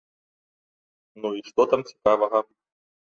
Ну, і што там цікавага?